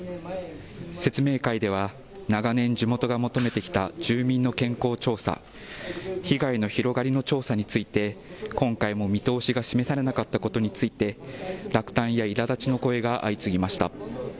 説明会では、長年地元が求めてきた住民の健康調査、被害の広がりの調査について、今回も見通しが示されなかったことについて、落胆やいらだちの声が相次ぎました。